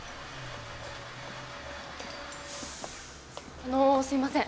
あのすいません。